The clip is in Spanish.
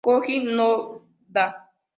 Koji Noda